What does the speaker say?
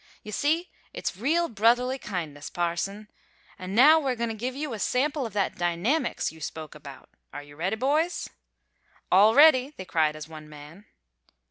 You see, it's real brotherly kindness, parson. An' now we're goin' to give you a sample of that dynamics you spoke about. Are you ready, boys?" "All ready," they cried as one man.